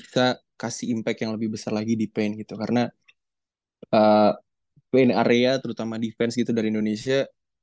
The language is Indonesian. kayaknya gak ada gitu pemainnya